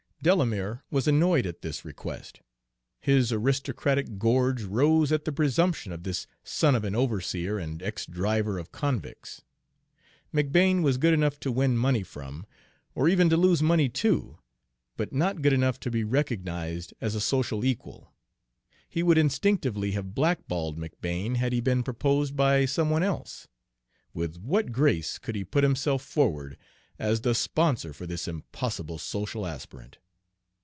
Delamere was annoyed at this request. His aristocratic gorge rose at the presumption of this son of an overseer and ex driver of convicts. McBane was good enough to win money from, or even to lose money to, but not good enough to be recognized as a social equal. He would instinctively have blackballed McBane had he been proposed by some one else; with what grace could he put himself forward as the sponsor for this impossible social aspirant?